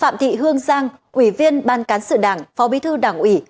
phạm thị hương giang ủy viên ban cán sự đảng phó bí thư đảng ủy